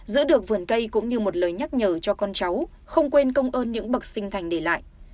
giữ được vườn cây cũng như một lời nhắc nhở cho con cháu không quên công ơn những bậc sinh thành để lại